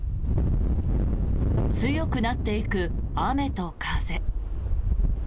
強くなっていく雨と風。